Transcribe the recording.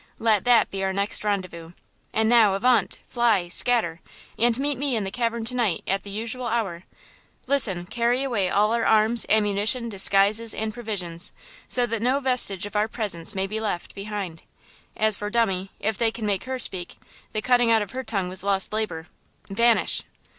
Let that be our next rendezvous! And now, avaunt! Fly! Scatter! and meet me in the cavern to night, at the usual hour! Listen–carry away all our arms, ammunition, disguises and provisions–so that no vestige of our presence may be left behind. As for dummy, if they can make her speak, the cutting out of her tongue was lost labor–vanish!"